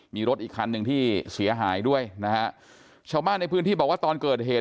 มีรถอีกคันหนึ่งที่เสียหายด้วยนะฮะชาวบ้านในพื้นที่บอกว่าตอนเกิดเหตุ